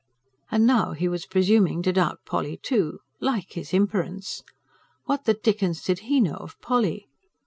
And now he was presuming to doubt Polly, too. Like his imperence! What the dickens did HE know of Polly?